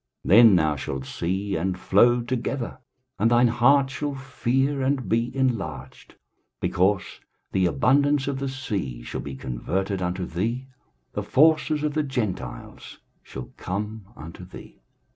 23:060:005 Then thou shalt see, and flow together, and thine heart shall fear, and be enlarged; because the abundance of the sea shall be converted unto thee, the forces of the Gentiles shall come unto thee.